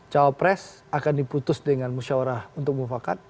cowok pres akan diputus dengan musyawarah untuk memufakat